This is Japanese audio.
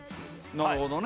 なるほどね。